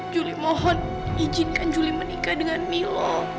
juli mohon izinkan juli menikah dengan milo